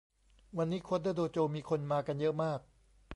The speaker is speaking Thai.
วันนี้โค้ดเดอร์โดโจมีคนมากันเยอะมาก